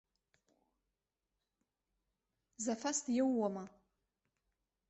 Зафас диуоума?